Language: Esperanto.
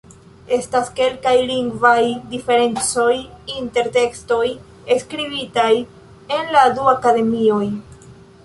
Estas kelkaj lingvaj diferencoj inter tekstoj skribitaj en la du akademioj.